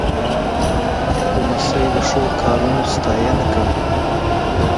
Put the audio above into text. لمسی د ښو کارونو ستاینه کوي.